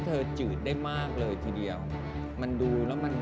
เสื้อผ้าที่อยู่ข้างหลัง